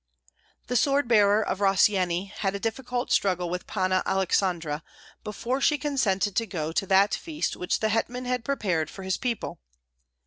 The sword bearer of Rossyeni had a difficult struggle with Panna Aleksandra before she consented to go to that feast which the hetman had prepared for his people.